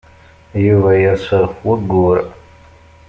Yuba yers ɣef wayyur.